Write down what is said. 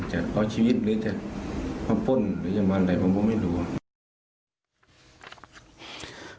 จะเอาชีวิตหรือจะมาป้นหรือจะมาอะไรผมก็ไม่รู้ครับ